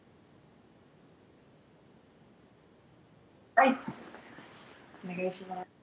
はいお願いします。